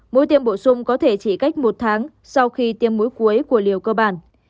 mũi tiêm bổ sung có thể chỉ cách một tháng sau khi tiêm mũi cuối của liều cơ bản